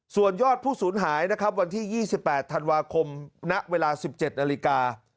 ส่วนยอดผู้สูญหายนะครับวันที่๒๘ธันวาคมณเวลา๑๗นาฬิกา